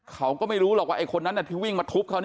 เขาก็ไม่รู้หรอกว่าไอ้คนนั้นที่วิ่งมาทุบเขา